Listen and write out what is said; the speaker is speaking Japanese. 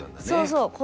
そうそう。